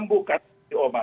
itu kan menimbulkan orang